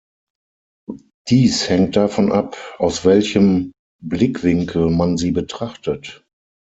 Dies hängt davon ab, aus welchem Blickwinkel man sie betrachtet!